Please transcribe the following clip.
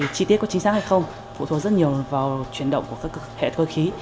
chi tiết có chính xác hay không phụ thuộc rất nhiều vào chuyển động của các hệ cơ khí